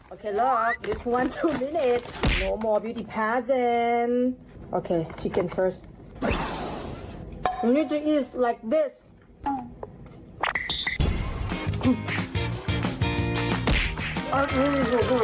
โอเคล็อคนี่๑๒นาที